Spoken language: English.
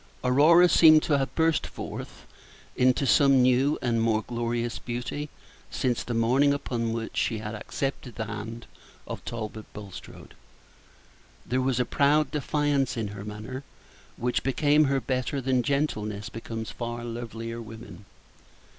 Aurora seemed to have burst forth into some new and more glorious beauty since the morning upon which she had accepted the hand of Talbot Bulstrode. There was a proud defiance in her manner, which became her better than gentleness becomes far lovelier women.